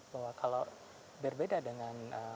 bahwa kalau berbeda dengan